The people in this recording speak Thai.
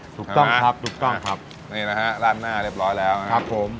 ถูกต้องครับถูกต้องครับนี่นะฮะราดหน้าเรียบร้อยแล้วนะครับผม